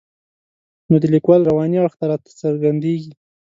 نو د لیکوال رواني اړخ راته څرګندېږي.